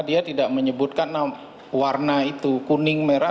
dia tidak menyebutkan warna itu kuning merah